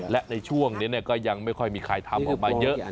และในช่วงนี้ก็ยังไม่ค่อยมีใครทำออกมาเยอะ